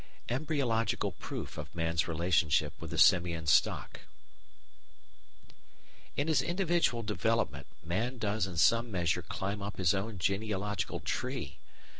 ] Embryological Proof of Man's Relationship with a Simian Stock In his individual development, man does in some measure climb up his own genealogical tree.